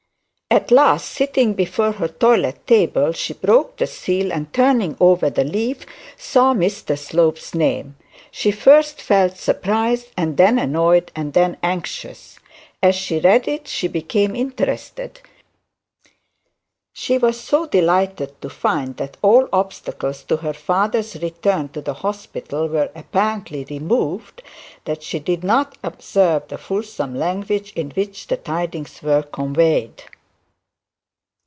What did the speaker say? At last, sitting before her toilet table, she broke the seal, and turning over the leaf saw Mr Slope's name. She first felt surprised, and then annoyed, and then anxious. As she read it she became interested. She was so delighted to find that all obstacles to her father's return to the hospital were apparently removed that she did not observe the fulsome language in which the tidings were conveyed.